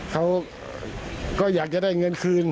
เขาก็อยากจะได้เงินคืน